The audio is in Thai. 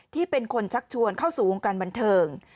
ที่เป็นคนชักชวนเข้าสู่วงการบันเทิง